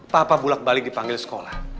papa bulat balik dipanggil sekolah